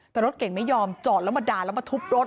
แต่รถเก่งไม่ยอมจอดแล้วมาด่าแล้วมาทุบรถ